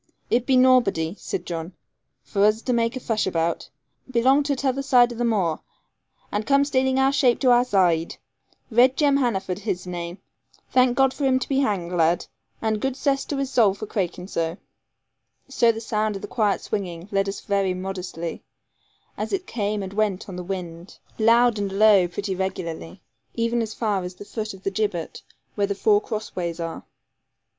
'It be nawbody,' said John, 'vor us to make a fush about. Belong to t'other zide o' the moor, and come staling shape to our zide. Red Jem Hannaford his name. Thank God for him to be hanged, lad; and good cess to his soul for craikin' zo.' So the sound of the quiet swinging led us very modestly, as it came and went on the wind, loud and low pretty regularly, even as far as the foot of the gibbet where the four cross ways are.